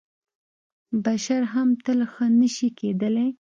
بشر هم تل ښه نه شي کېدلی .